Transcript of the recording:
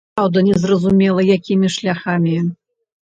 Праўда, незразумела, якімі шляхамі.